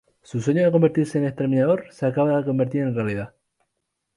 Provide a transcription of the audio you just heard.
Su sueño de convertirse en exterminador se acaba de convertir en realidad.